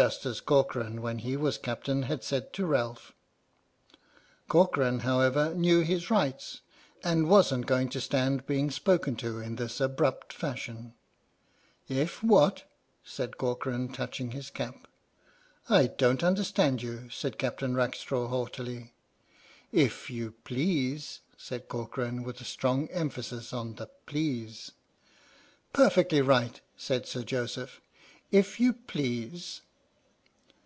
just as Corcoran, when he was a captain, had said to Ralph. Corcoran, however, knew his rights, and wasn't going to stand being spoken to in this abrupt fashion. " If what}" said Corcoran, touching his cap. " I don't understand you," said Captain Rackstraw haughtily. " If you please," said Corcoran, with a strong emphasis on the "please." " Perfectly right," said Sir Joseph, " if you please."